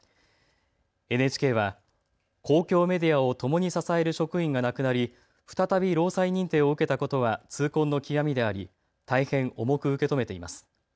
ＮＨＫは公共メディアをともに支える職員が亡くなり再び労災認定を受けたことは痛恨の極みであり大変重く受け止めています。